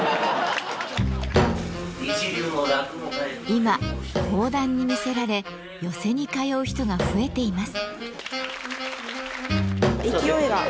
今講談に魅せられ寄席に通う人が増えています。